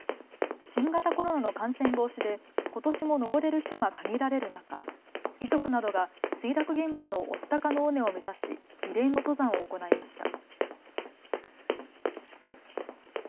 新型コロナの感染防止でことしも登れる人が限られる中、遺族などが墜落現場の御巣鷹の尾根を目指し慰霊の登山を行いました。